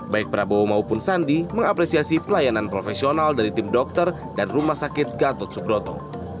baik prabowo maupun sandi mengapresiasi pelayanan profesional dari tim dokter dan rumah sakit gatot subroto